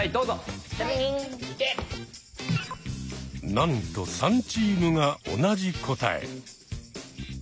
なんと３チームが同じ答え。